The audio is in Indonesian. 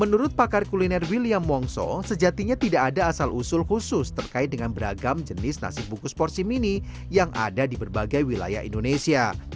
menurut pakar kuliner william wongso sejatinya tidak ada asal usul khusus terkait dengan beragam jenis nasi bungkus porsi mini yang ada di berbagai wilayah indonesia